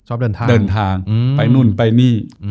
ชอบเดินทางเดินทางไปนู่นไปนี่